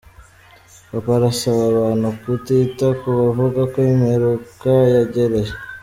Papa arasaba abantu kutita ku bavuga ko imperuka yegereje